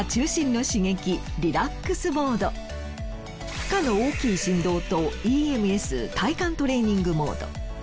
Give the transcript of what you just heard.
負荷の大きい振動とＥＭＳ体幹トレーニングモード。